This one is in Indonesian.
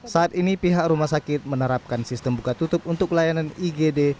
saat ini pihak rumah sakit menerapkan sistem buka tutup untuk layanan igd